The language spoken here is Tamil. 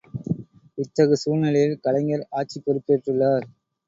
இத்தகு சூழ்நிலையில் கலைஞர் ஆட்சிப் பொறுப்பேற்றுள்ளார்.